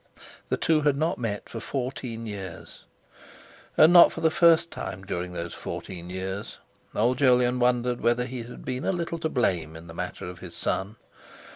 The two had not met for fourteen years. And not for the first time during those fourteen years old Jolyon wondered whether he had been a little to blame in the matter of his son.